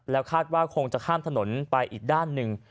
คาดว่าคงจะข้ามถนนไปอีกด้านหนึ่ง